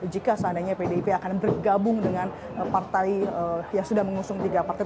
jika seandainya pdip akan bergabung dengan partai yang sudah mengusung tiga partai